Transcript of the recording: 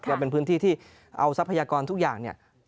จะเป็นพื้นที่ที่เอาทรัพยากรทุกอย่างเนี่ย